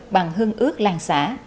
bằng hương ước làng xã